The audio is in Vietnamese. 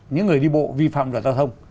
những người đi bộ vi phạm được giao thông